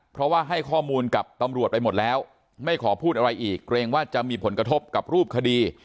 เพราะว่าให้ข้อมูลกับตำรวจไปหมดแล้วไม่ขอพูดอะไรอีกเกรงว่าจะมีผลกระทบกับรูปคดี